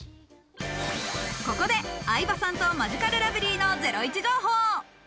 ここで相葉さんとマヂカルラブリーのゼロイチ情報！